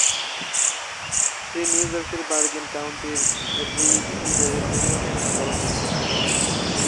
তিনি নিউ জার্সির বারগেন কাউন্টির রিজউডে বেড়ে ওঠেন এবং পড়াশোনা করেন।